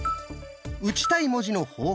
打ちたい文字の方向